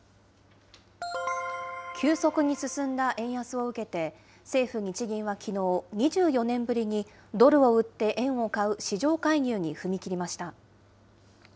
急速に進んだ円安を受けて、政府・日銀はきのう、２４年ぶりにドルを売って円を買う市場介入に踏み切りました。